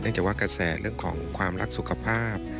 จากว่ากระแสเรื่องของความรักสุขภาพ